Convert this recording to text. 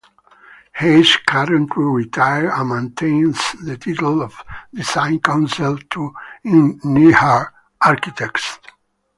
He is currently retired and maintains the title of Design Counsel to Ennead Architects.